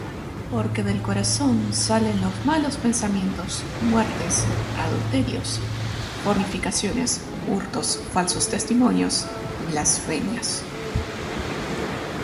Porque del corazón salen los malos pensamientos, muertes, adulterios, fornicaciones, hurtos, falsos testimonios, blasfemias.